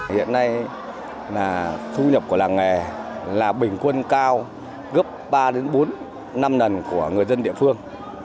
hiện nay là thu nhập của làng nghề là bình quân cao gấp ba bốn năm lần của người dân địa phương